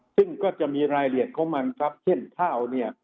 ซึ่งก็จะมีรายละเอียดของมันครับเช่นข้าวเนี่ย